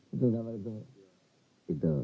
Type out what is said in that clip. itu enggak apa apa